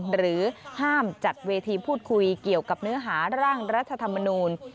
หรือห้ามจัดเวทีพูดคุยเกี่ยวกับเนื้อหาร่างรัฐธรรมนูล